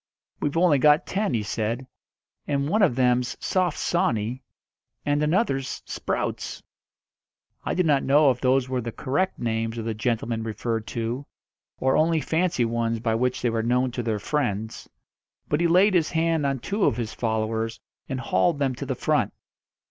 "We've only got ten," he said. "And one of them's Soft Sawney, and another's Sprouts." I do not know if those were the correct names of the gentlemen referred to, or only fancy ones by which they were known to their friends; but he laid his hand on two of his followers and hauled them to the front.